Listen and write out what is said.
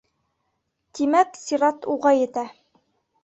Тимәк, сират уға етә.